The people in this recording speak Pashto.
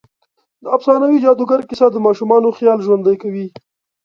د افسانوي جادوګر کیسه د ماشومانو خيال ژوندۍ کوي.